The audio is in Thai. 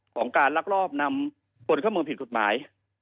ของการลักลอบนำคนเข้าเมืองผิดกฎหมาย